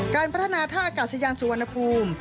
การพัฒนาท่าอากาศยานสุวรรณภูมิ